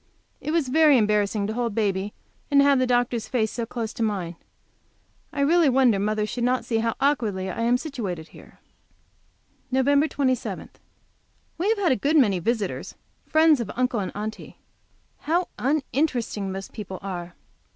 It was very embarrassing to hold baby and have the doctor's face so close to mine. I really wonder mother should not see how awkwardly I am situated here. Nov. 27. We have a good many visitors, friends of Uncle and Aunty. How uninteresting most people are!